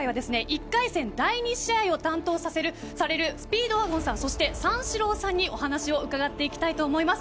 １回戦第２試合を担当されるスピードワゴンさんそして三四郎さんにお話を伺っていきたいと思います。